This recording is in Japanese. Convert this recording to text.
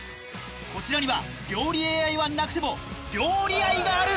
こちらには料理ＡＩはなくても料理愛がある！